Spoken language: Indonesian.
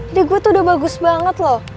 ini gue tuh udah bagus banget loh